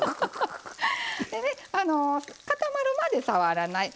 でね固まるまで触らない。